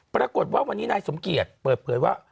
ปรากฏว่าวันนี้นายสมเกียจเปิดเผยว่า